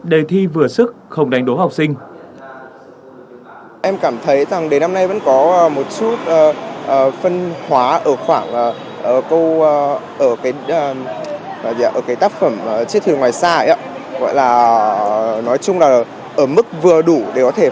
đề thi vừa sức không đánh đố học sinh